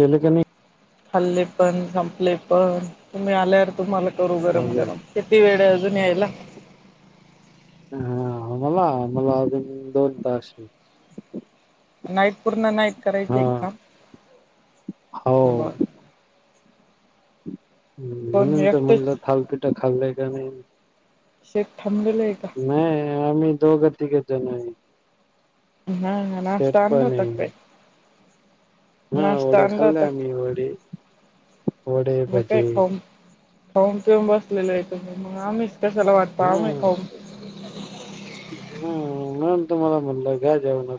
Helek नाही खाल्ले पण संपले पण तुम्ही आल्यार तुम्हाला करू गरम झाले गरम किती वेळ अजून यायला हा आम्हाला आम्हाला अजून दोन तास आहे नाही पूर्ण नाहीत हा करायचे एक काम हो बर पण म्हणून तर म्हणलं एकटेच थालपिठा खाल्लंय का नाही शेत थांबलेलं आहे का नाही आमही दोघाात केत नाही हा हा नाश्ता आणलं होताात काय हा वढ नाश्ता आणला होता खाल्ले आम्ही वढ डे बजे काौम पेऊन बसलेले आहे तुम्ही मग आम्हीच कशाला वाटतो आम्ही ह म्हणून तु मला म्हटलं घ्या जेवणड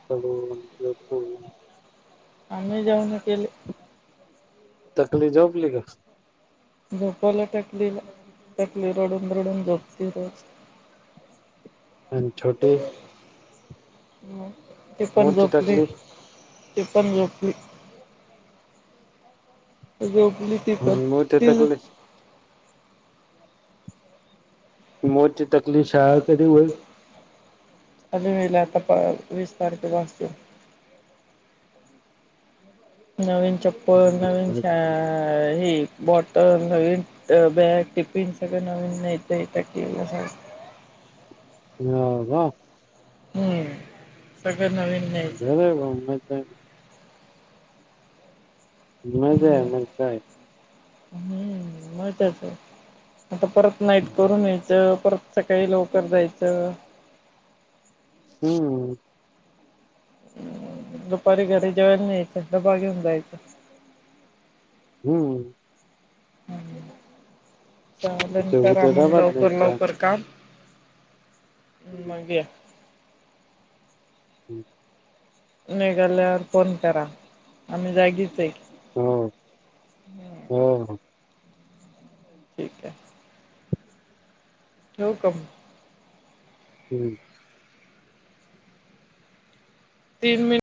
आम्ही जाऊन केले तकलीफ झोपली का झपाला टाकली टकली रडून रडून झपते रोज अ छोटे टफन मोठी गपलीरी तकली चतनमकी झोपली ती प मोठी त तकली मोतची तकलीफ हा कधी होय विस्तारित वाासत नवीन चप्पल नवीन हे बॉटल नवीन बॅग टिफिन सगळ नवीन हा वा हम्म घर ग म मजा आहे मज कााय हम्म माहतच आहे आता परत नाईट करून या परत स काळी लवकर द्यायचं हम्म हम् दुपारी घरी जेवायला नाहीयचं दबा घेऊन जायचं हम्म चालेल ते करा मग हुदराबादला आहे लवकर चा लवकर काम ह् माग हम्म न गल्या फोन करा आम् जागीच आहे हम् हम् ठीक आहे होव काम हम्म तीन महिन